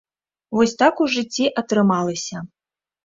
Вось так у жыцці атрымалася.